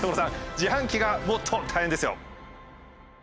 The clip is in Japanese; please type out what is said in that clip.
自販機がもっと大変ですよ。